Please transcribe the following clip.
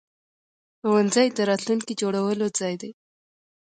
ښوونځی د راتلونکي جوړولو ځای دی.